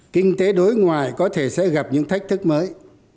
kinh tế đối ngoại có thể sẽ gặp những thách thức mới